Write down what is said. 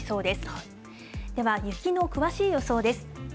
では雪の詳しい予想です。